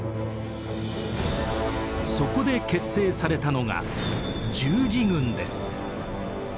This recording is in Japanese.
そこで結成されたのが十字軍です。